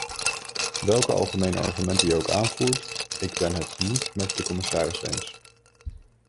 Welke algemene argumenten je ook aanvoert, ik ben het niet met de commissaris eens.